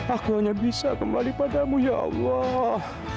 aku hanya bisa kembali padamu ya allah